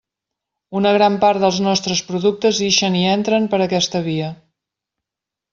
Una gran part dels nostres productes ixen i entren per aquesta via.